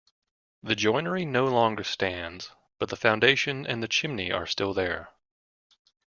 The Joinery no longer stands, but the foundation and the chimney are still there.